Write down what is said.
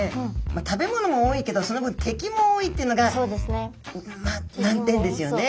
食べ物も多いけどその分敵も多いっていうのが難点ですよね。